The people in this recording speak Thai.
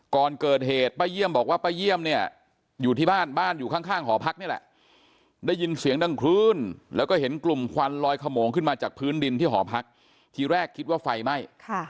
ก่อนเกิดเหตุป้าเยี่ยมบอกว่าป้าเยี่ยมเนี่ยอยู่ที่บ้านบ้านอยู่ข้างหอพักนี่แหละได้ยินเสียงดังคลื่นแล้วก็เห็นกลุ่มควันลอยขโมงขึ้นมาจากพื้นดินที่หอพักทีแรกคิดว่าไฟไหม้